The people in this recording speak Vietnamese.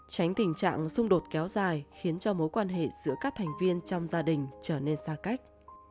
tránh tình trạng xung đột kéo dài khiến cho mối quan hệ giữa các thành viên trong gia đình trở nên xa cách